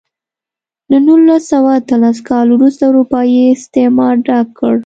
له نولس سوه اتلس کال وروسته اروپايي استعمار ډک کړ.